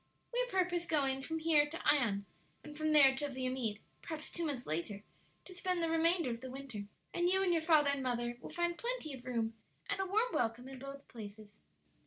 "We purpose going from here to Ion, and from there to Viamede, perhaps two months later, to spend the remainder of the winter. And you and your father and mother will find plenty of room and a warm welcome in both places."